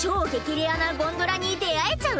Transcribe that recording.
レアなゴンドラに出会えちゃう！？